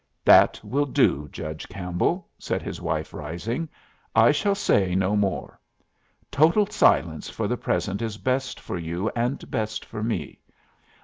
"That will do, Judge Campbell," said his lady, rising. "I shall say no more. Total silence for the present is best for you and best for me.